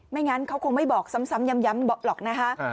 งั้นเขาคงไม่บอกซ้ำย้ำหรอกนะคะ